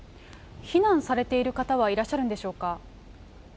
避難されている方はいらっしゃるんでしょうか？